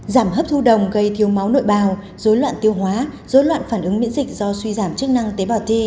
giảm hấp thu đồng gây thiếu máu nội bào dối loạn tiêu hóa dối loạn phản ứng miễn dịch do suy giảm chức năng tế bào thi